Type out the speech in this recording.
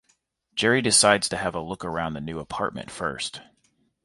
Jerry decides to have a look around the new apartment first.